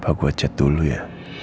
apa gue chat dulu ya